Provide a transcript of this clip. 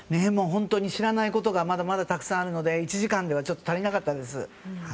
本当に知らないことがまだまだたくさんあるので１時間では足りなかったです。